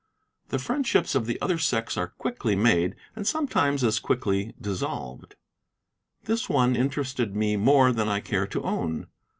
The friendships of the other sex are quickly made, and sometimes as quickly dissolved. This one interested me more than I care to own.